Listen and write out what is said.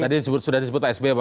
tadi sudah disebut asb